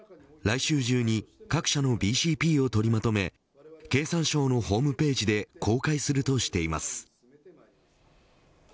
来週中に各社のＢＣＰを取りまとめ経産省のホームページで公開するとしています。